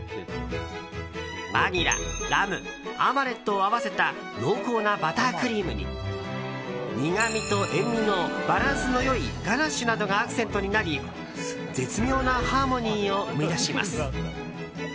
バニラ、ラムアマレットを合わせた濃厚なバタークリームに苦みと塩みのバランスの良いガナッシュなどがアクセントになり絶妙なハーモニーを生み出します。